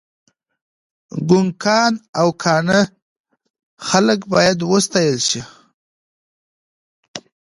ګنګان او کاڼه خلګ باید وستایل شي.